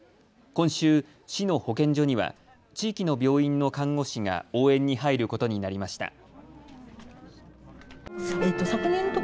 今週、市の保健所には地域の病院の看護師が応援に入ることになりました。